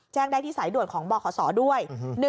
แจ้งได้ที่สายด่วนของบขศด้วย